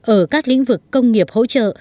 ở các lĩnh vực công nghiệp hỗ trợ